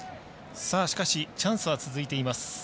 チャンスは続いています。